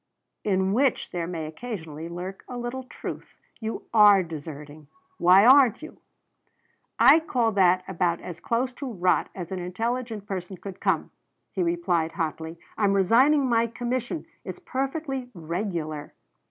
"In which there may occasionally lurk a little truth. You are deserting. Why aren't you?" "I call that about as close to rot as an intelligent person could come," he replied hotly. "I'm resigning my commission. It's perfectly regular."